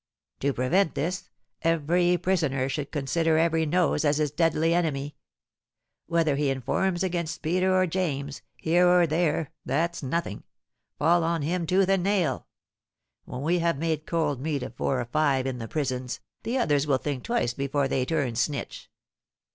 "To prevent this, every prisoner should consider every nose as his deadly enemy. Whether he informs against Peter or James, here or there, that's nothing; fall on him tooth and nail. When we have made cold meat of four or five in the prisons, the others will think twice before they turn 'snitch.'"